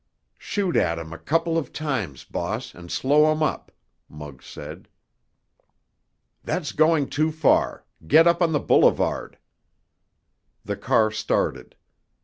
"Shoot at 'em a couple of times, boss, and slow 'em up," Muggs said. "That's going too far. Get up on the boulevard!" The car started.